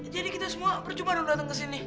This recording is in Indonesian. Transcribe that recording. jadi kita semua percuma dong datang ke sini